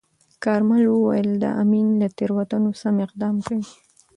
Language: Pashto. کارمل وویل، د امین له تیروتنو سم اقدام کوي.